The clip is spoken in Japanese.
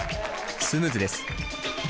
スムーズです。